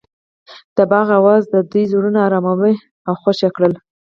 د باغ اواز د دوی زړونه ارامه او خوښ کړل.